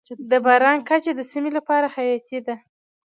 د باران کچه د سیمې لپاره حیاتي ده.